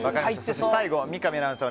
最後、三上アナウンサー